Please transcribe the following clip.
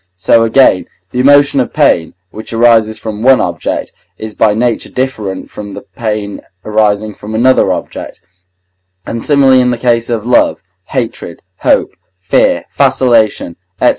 So again the emotion of pain, which arises from one object, is by nature different from the pain arising from another object, and, similarly, in the case of love, hatred, hope, fear, vacillation, &c.